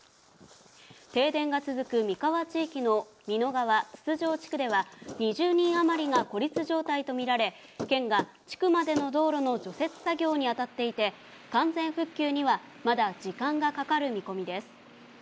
停電が続く美川地域の蓑川、筒城地区では、２０人余りが孤立状態と見られ、県が地区までの道路の除雪作業に当たっていて、完全復旧には、まだ時間がかかる見込みです。